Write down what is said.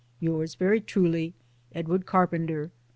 Yours very truly, EDWD. CARPENTER.